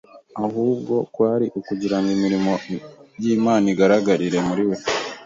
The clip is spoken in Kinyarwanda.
ahubwo kwari ukugirango imirimo y’Imana igaragarire muri we